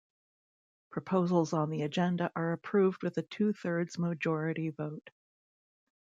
Proposals on the agenda are approved with a two-thirds majority vote.